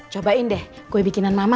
cobain deh kue bikinan nama